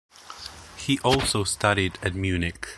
He also studied at Munich.